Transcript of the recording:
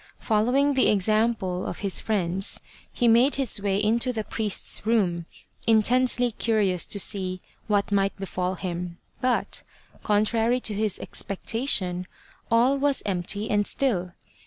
Following the example of his friends, he made his way into the priest's room, intensely curious to see what might befall him, but, contrary to his expectation, all was empty and still.